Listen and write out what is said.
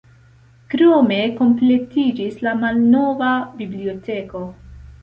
Krome kompletiĝis la malnova biblioteko.